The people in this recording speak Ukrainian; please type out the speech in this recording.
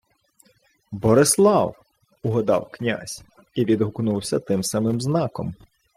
— Борислав! — угадав князь і відгукнувся тим самим знаком.